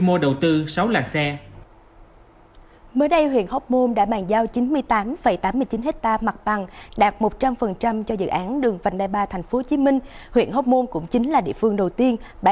bằng đường vịnh đại ba